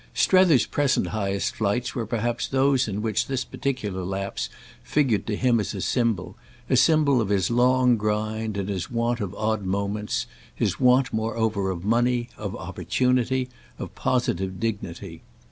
Strether's present highest flights were perhaps those in which this particular lapse figured to him as a symbol, a symbol of his long grind and his want of odd moments, his want moreover of money, of opportunity, of positive dignity.